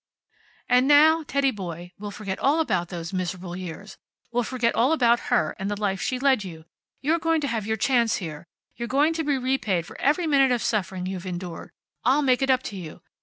And now, Teddy boy, we'll forget all about those miserable years. We'll forget all about her, and the life she led you. You're going to have your chance here. You're going to be repaid for every minute of suffering you've endured. I'll make it up to you.